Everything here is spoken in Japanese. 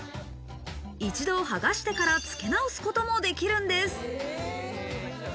一度剥がしてから付け直すこともできるんです。